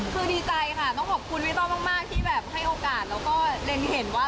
คือดีใจค่ะต้องขอบคุณพี่ต้องมากที่แบบให้โอกาส